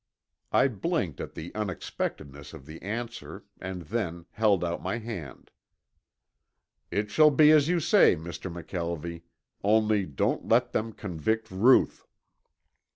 I blinked at the unexpectedness of the answer and then held out my hand. "It shall be as you say, Mr. McKelvie, only don't let them convict Ruth."